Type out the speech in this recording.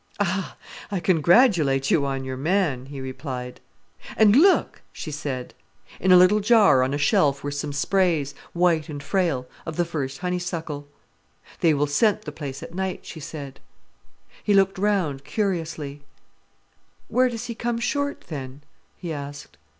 "Ah—! I congratulate you on your man," he replied. "And look!" she said. In a little jar on a shelf were some sprays, frail and white, of the first honeysuckle. "They will scent the place at night," she said. He looked round curiously. "Where does he come short, then?" he asked.